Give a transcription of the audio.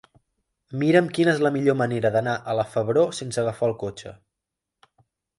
Mira'm quina és la millor manera d'anar a la Febró sense agafar el cotxe.